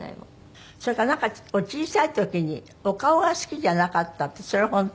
それからなんか小さい時にお顔が好きじゃなかったってそれ本当？